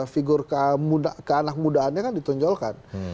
figur keanak mudaannya kan ditonjolkan